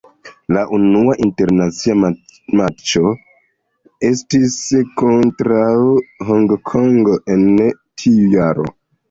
La unua internacia matĉo estis kontraŭ Honkongo en tiu jaro.